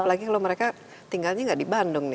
apalagi kalau mereka tinggalnya enggak di bandung nih